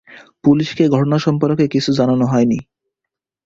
পুলিশকে ঘটনা সম্পর্কে কিছু জানানো হয়নি।